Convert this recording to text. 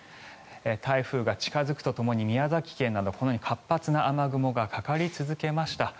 台風が近付くとともに宮崎県などこのように活発な雨雲がかかり続けました。